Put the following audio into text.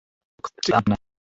কিন্তু কাজটি কী, তা মনে পড়ছে না।